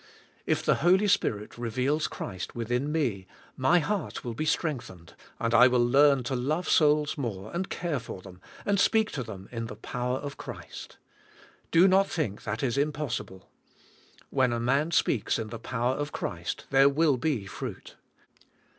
If the Holy Spirit reveals Christ within me, my heart will be strengthened and I will learn to love souls more and care for them, and speak to them in the power of Christ. Do not think that is impossible. When a man speaks in the power of Christ there will be fruit.